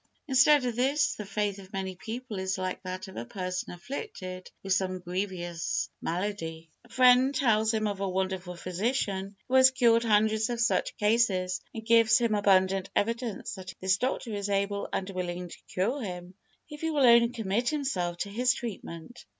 Instead of this, the faith of many people is like that of a person afflicted with some grievous malady. A friend tells him of a wonderful physician who has cured hundreds of such cases, and gives him abundant evidence that this doctor is able and willing to cure him, if he will only commit himself to his treatment.